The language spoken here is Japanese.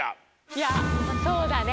いやそうだね。